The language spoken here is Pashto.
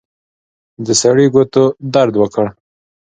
د سړي ګوتو درد وکړ.